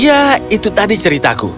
ya itu tadi ceritaku